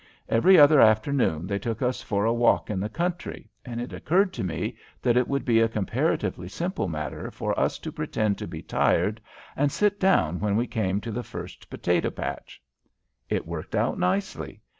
Every other afternoon they took us for a walk in the country, and it occurred to me that it would be a comparatively simple matter for us to pretend to be tired and sit down when we came to the first potato patch. It worked out nicely.